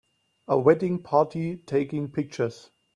A wedding party taking pictures.